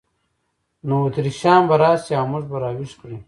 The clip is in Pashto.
نو اتریشیان به راشي او موږ به را ویښ کړي.